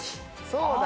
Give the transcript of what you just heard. そうだ！